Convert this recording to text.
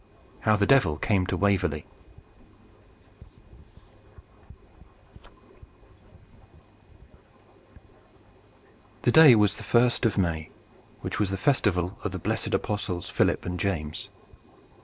HOW THE DEVIL CAME TO WAVERLEY The day was the first of May, which was the Festival of the Blessed Apostles Philip and James.